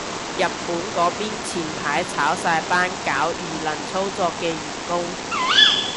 日本嗰邊前排炒晒班搞輿論操作嘅員工